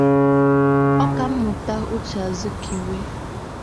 Ọkammụta Uche Azikiwe